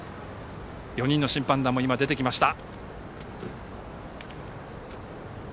４人の審判団も出てきました。